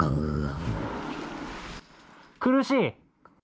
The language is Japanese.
苦しい？